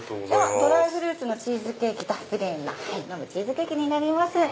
ドライフルーツのチーズケーキとプレーンの飲むチーズケーキになります。